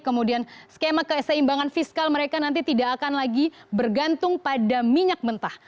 kemudian skema keseimbangan fiskal mereka nanti tidak akan lagi bergantung pada minyak mentah